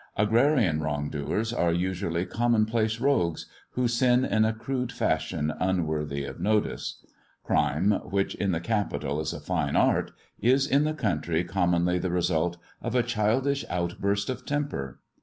Agrarian wrong doers are usually commonplace rogues, who sin in a crude fashion unworthy of notice. Crime, which in the capital is a fine art, is in the country commonly the result of a childish outburst of temper.